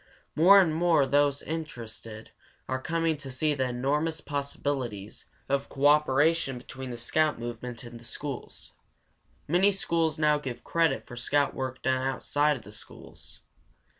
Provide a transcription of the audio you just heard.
More and more those interested are coming to see the enormous possibilities of cooperation between the scout movement and the schools. Many schools now give credit for scout work done outside of the schools.